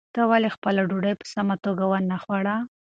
تا ولې خپله ډوډۍ په سمه توګه ونه خوړه؟